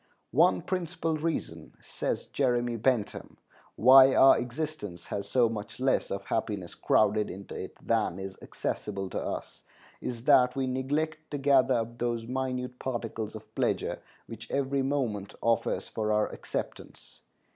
"One principal reason," says Jeremy Bentham, "why our existence has so much less of happiness crowded into it than is accessible to us, is that we neglect to gather up those minute particles of pleasure which every moment offers for our acceptance.